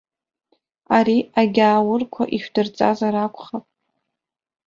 Ари агьааурқәа ишәдырҵазар акәхап!